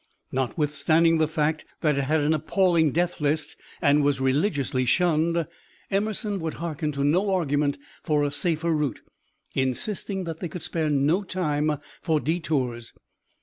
Notwithstanding the fact that it had an appalling death list and was religiously shunned, Emerson would hearken to no argument for a safer route, insisting that they could spare no time for detours.